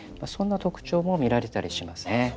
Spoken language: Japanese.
そんな特徴も見られたりしますね。